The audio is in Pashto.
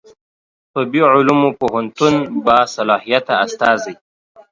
طبي علومو پوهنتون باصلاحیته استازی